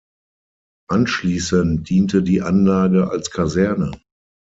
Anschließend diente die Anlage als Kaserne.